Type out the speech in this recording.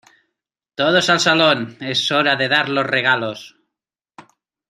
Todos al salón. Es la hora de dar los regalos .